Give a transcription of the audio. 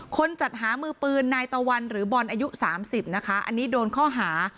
จัดหามือปืนนายตะวันหรือบอลอายุ๓๐นะคะอันนี้โดนข้อหา